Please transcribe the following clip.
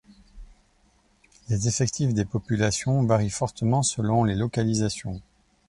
Les effectifs des populations varient fortement selon les localisations.